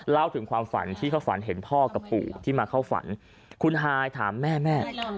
เล่าถึงความฝันที่เขาฝันเห็นพ่อกับปู่ที่มาเข้าฝันคุณฮายถามแม่แม่